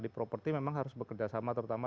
di properti memang harus bekerja sama terutama